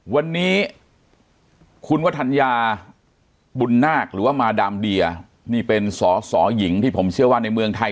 วันนี้คุณวัฒนยาบุญนาคหรือว่ามาดามเดียนี่เป็นสอสอหญิงที่ผมเชื่อว่าในเมืองไทย